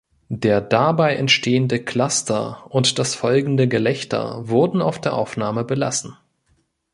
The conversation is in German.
Der dabei entstehende Cluster und das folgende Gelächter wurden auf der Aufnahme belassen.